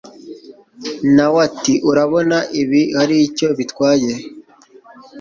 nawe ati urabona ibi haricyo bitwaye!